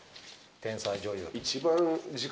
天才女優。